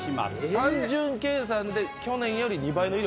単純計算で去年の２倍の威力？